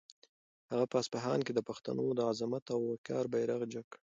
هغه په اصفهان کې د پښتنو د عظمت او وقار بیرغ جګ کړ.